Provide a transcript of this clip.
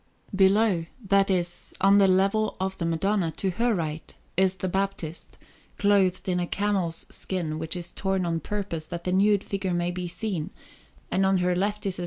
Below that is, on the level of the Madonna, to her right is the Baptist, clothed in a camel's skin, which is torn on purpose that the nude figure may be seen; and on her left is a S.